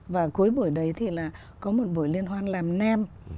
và cuối buổi đấy thì là có một buổi liên hoan làm nem